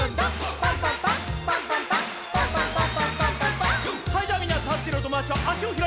はいじゃあみんなたってるおともだちはあしをひらいて。